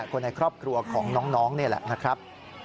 คนในครอบครัวของน้องนี่แหละนะครับ